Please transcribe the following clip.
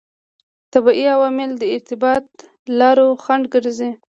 طبیعي عوامل د ارتباط لارو خنډ ګرځي.